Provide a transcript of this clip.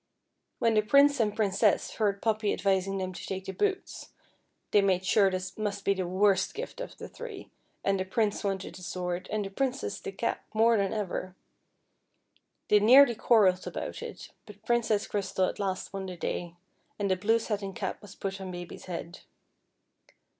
When the Prince and Princess heard Poppy advising them to take the boots, they made sure this must be the worst gift of the three, and the Prince wanted the sword and the Princess the cap more than ever. They nearly quarrelled about it, but Princess Crystal at last won the day, and the blue satin cap was put on Baby's head.